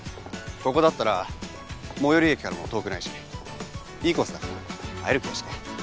ここだったら最寄り駅からも遠くないしいいコースだから会える気がして。